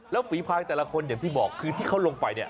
แล้วฝีภายแต่ละคนอย่างที่บอกคือเท่าที่เขาลงไป